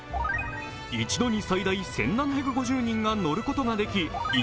一度に最大１７５０人が乗ることができ１